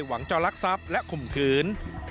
หวังเจ้าลักษัพและขุมคืน